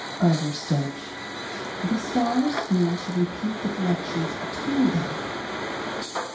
(Garter stitch.) The stars mean to repeat the directions between them.